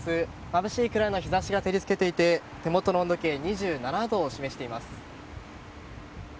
まぶしいくらいの日差しが照りつけていて手元の温度計２７度を示しています。